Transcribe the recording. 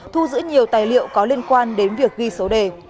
thu giữ nhiều tài liệu có liên quan đến việc ghi số đề